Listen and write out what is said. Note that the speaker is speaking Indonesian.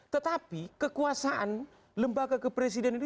tetapi kekuasaan lembaga kepresiden itu